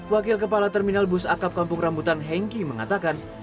wakil kepala terminal bus akap kampung rambutan hengki mengatakan